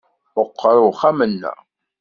Meqqer uxxam-nneɣ.